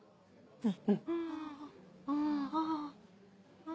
うん。